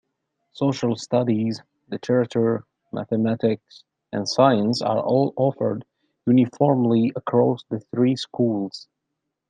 Social Studies, Literature, Mathematics, and Science are all offered uniformly across the three schools.